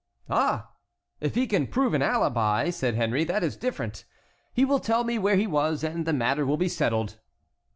"Ah! If he can prove an alibi," said Henry, "that is different; he will tell where he was, and the matter will be settled."